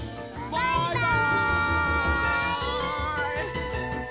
バイバイ。